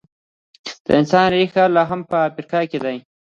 د انسان ریښې لا هم په افریقا کې دي.